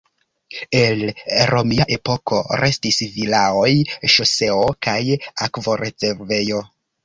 El romia epoko restis vilaoj, ŝoseo, kaj akvorezervejo.